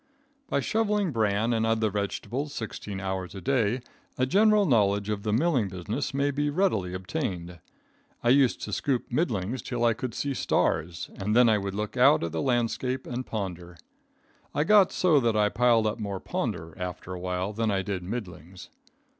By shoveling bran and other vegetables 16 hours a day, a general knowledge of the milling business may be readily obtained. I used to scoop middlings till I could see stars, and then I would look out at the landscape and ponder. I got so that I piled up more ponder, after a while, than I did middlings.